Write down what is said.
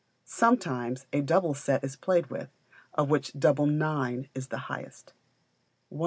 Sometimes a double set is played with, of which double nine is the highest. 138.